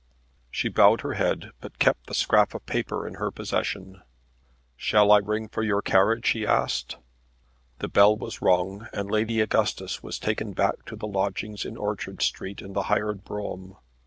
She bowed her head, but kept the scrap of paper in her possession. "Shall I ring for your carriage?" he asked. The bell was rung, and Lady Augustus was taken back to the lodgings in Orchard Street in the hired brougham.